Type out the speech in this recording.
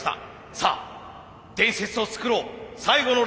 さあ伝説を作ろう最後のレースで。